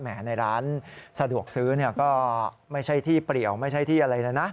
ในร้านสะดวกซื้อก็ไม่ใช่ที่เปรียวไม่ใช่ที่อะไรนะนะ